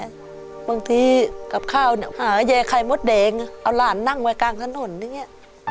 บางทีกับข้าวหาแย่ไข่มดแดงเอาหลานนั่งไว้กลางถนนอย่างนี้